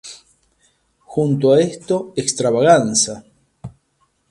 Junto a esto, Extravaganza!